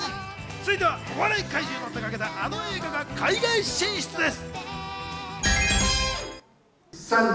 続いては、お笑い怪獣の手がけたあの映画が海外進出です。